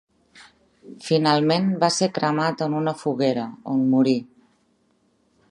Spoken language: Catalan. Finalment, va ser cremat en una foguera, on morí.